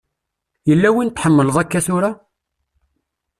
Yella win tḥemmleḍ akka tura?